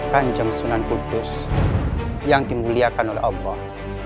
kanjeng sunan kudus yang dimuliakan oleh allah